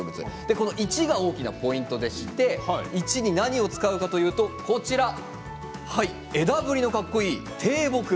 １が大きなポイントでして１に何を使うかというと枝ぶりのかっこいい低木。